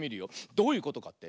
どういうことかって？